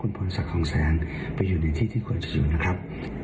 คุณพรศักดิ์ส่องแสงตรงนี้เลยนะครับ